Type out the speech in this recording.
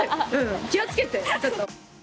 気を付けてちょっと。